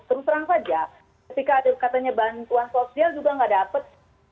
terus terang saja ketika ada katanya bantuan sosial juga nggak dapat